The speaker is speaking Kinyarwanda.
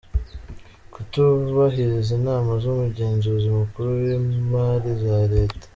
Kutubahiriza inama z’Umugenzuzi Mukuru w’Imari ya Leta;.